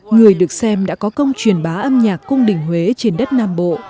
người được xem đã có công truyền bá âm nhạc cung đỉnh huế trên đất nam bộ